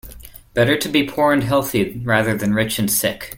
Better to be poor and healthy rather than rich and sick.